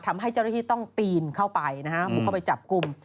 ทำให้เจ้าหน้าที่ต้องปีนเข้าไปนะฮะบุกเข้าไปจับกลุ่ม